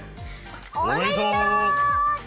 おめでとう！